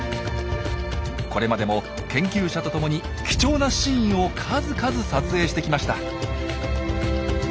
これまでも研究者とともに貴重なシーンを数々撮影してきました。